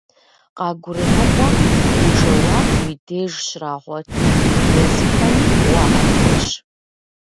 КъагурымыӀуэм и жэуап уи деж щрагъуэти, езыхэми уаӀэтынщ.